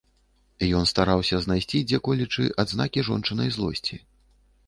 Ён стараўся знайсці дзе-колечы адзнакі жончынай злосці.